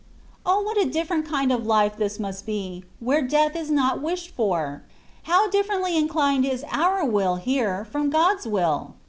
O ! what a different kind of life must this be, where death is not wished for ! How differently inclined is our will here, from God's will